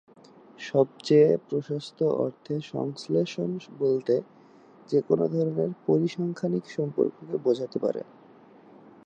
সবচেয়ে প্রশস্ত অর্থে "সংশ্লেষ" বলতে যেকোনও ধরনের পরিসংখ্যানিক সম্পর্ককে বোঝাতে পারে।